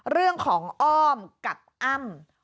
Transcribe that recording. เรื่องของอ้อมกับอ้ำ